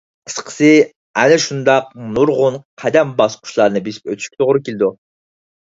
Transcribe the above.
قىسقىسى، ئەنە شۇنداق نۇرغۇن قەدەم - باسقۇچىلارنى بېسىپ ئۆتۈشكە توغرا كېلىدۇ.